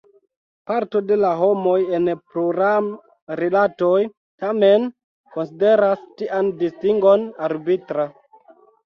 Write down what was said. Parto de la homoj en pluram-rilatoj tamen konsideras tian distingon arbitra.